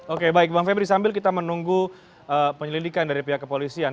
oke baik bang febri sambil kita menunggu penyelidikan dari pihak kepolisian